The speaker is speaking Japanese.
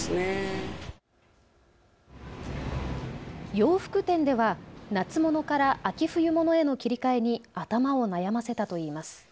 洋服店では夏物から秋冬ものへの切り替えに頭を悩まされたといいます。